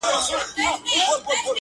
او له دغه امله یې -